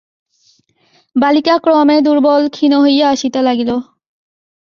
বালিকা ক্রমে দুর্বল ক্ষীণ হইয়া আসিতে লাগিল।